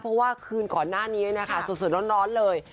เพราะว่าคืนก่อนหน้านี้นะคะสดร้อนเลย